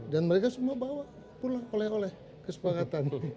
dan mereka semua bawa pulang oleh oleh kesepakatan